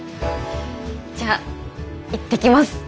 じゃあ行ってきます。